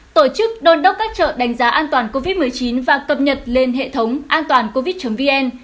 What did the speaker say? tổ chức đôn đốc các chợ đánh giá an toàn covid một mươi chín và cập nhật lên hệ thống antoancovid vn